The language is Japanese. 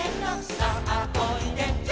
「さあおいで」